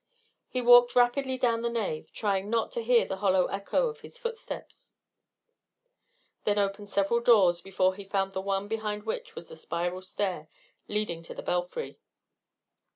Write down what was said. He walked rapidly down the nave, trying not to hear the hollow echo of his footsteps, then opened several doors before he found the one behind which was the spiral stair leading to the belfry.